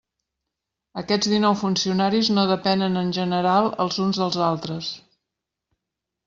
Aquests dinou funcionaris no depenen en general els uns dels altres.